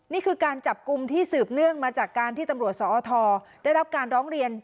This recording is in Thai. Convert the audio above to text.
นี่คือการจับกลุ่มที่สืบเนื่องมาจากการที่ตำรวจสอทได้รับการร้องเรียน